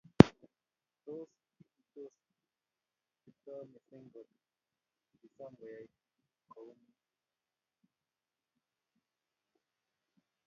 tos ikuisoti Kiptoo mising kot kisom koyai kou niee